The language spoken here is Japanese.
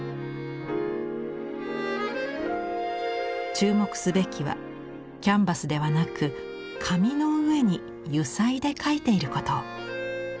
注目すべきはキャンバスではなく紙の上に油彩で描いていること。